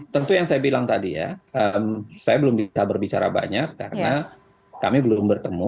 tentu yang saya bilang tadi ya saya belum bisa berbicara banyak karena kami belum bertemu